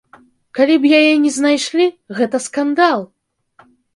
Калі б яе не знайшлі, гэта скандал!